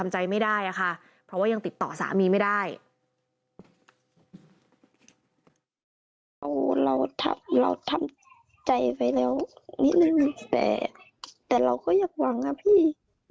ใจไปแล้วนิดนึงแต่เราก็อยากหวังอ่ะพี่